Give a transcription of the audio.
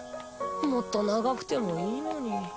もっと長くてもいいのに。